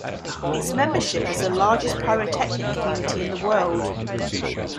Its membership is the largest pyrotechnic community in the world.